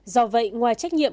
do vậy ngoài trách nhiệm